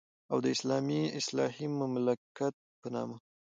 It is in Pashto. او د اسلامي اصلاحي مملکت په نامه.